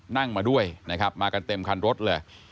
นั่งมาด้วยนะครับมากันเต็มคันรถเลย